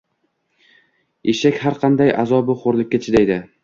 Eshak har qanday azobu xo’rlikka chidaydi.